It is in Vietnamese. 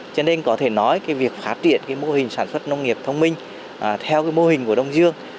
cho nên có thể nói cái việc phát triển cái mô hình sản xuất nông nghiệp thông minh theo mô hình của đông dương